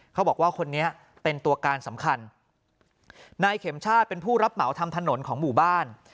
เขาบอกว่าคนนี้เป็นตัวการสำคัญนายเข็มชาติเป็นผู้รับเหมาทำถนนของหมู่บ้าน